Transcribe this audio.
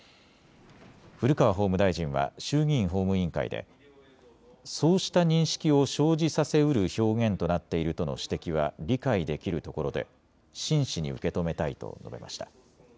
古川法務大臣は衆議院法務委員会でそうした認識を生じさせうる表現となっているとの指摘は理解できるところで真摯に受け止めたいと述べました。